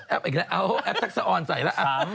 แอบอีกแล้วแอบสักสะอ่อนใส่แล้ว